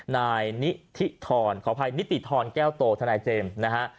นายนิธิธรขออภัยนิติธรแก้วโตทนายเจมส์นะฮะ